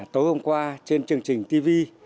tối hôm qua trên chương trình tv